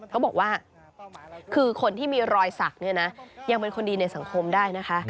เขาบอกว่าคือคนที่มีรอยสักเนี่ยนะยังเป็นคนดีในสังคมได้นะคะ